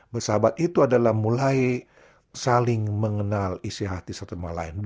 bersahabat itu adalah mulai saling mengenal isi hati satu sama lain